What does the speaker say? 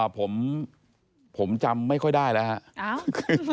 ผมจำไม่ค่อยได้แล้ว